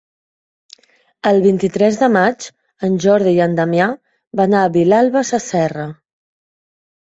El vint-i-tres de maig en Jordi i en Damià van a Vilalba Sasserra.